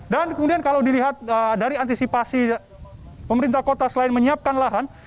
kemudian kalau dilihat dari antisipasi pemerintah kota selain menyiapkan lahan